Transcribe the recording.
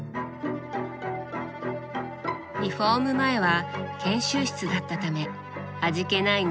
リフォーム前は研修室だったため味気ない